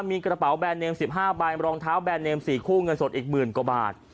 มีกระเป๋าแบรนเนม๑๕ใบรองเท้าแบรนเนม๔คู่เงินสดอีกหมื่นกว่าบาท